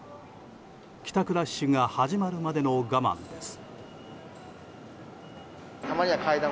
帰宅ラッシュが始まるまでの我慢です。